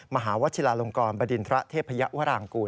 มหาวัชลลงกรบรรดินทะเทพิยวรากุล